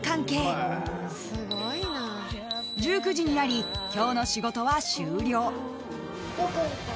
［１９時になり今日の仕事は終了］